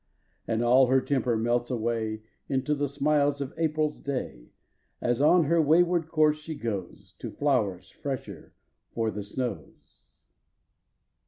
And all her temper melts away Into the smiles of April s day As on her wayward course she goes To flowers fresher for the snows.